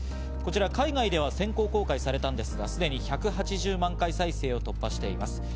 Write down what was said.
こちら海外では先行公開されたんですが、すでに１８０万回再生を突破しています。